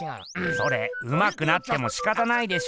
それうまくなってもしかたないでしょ。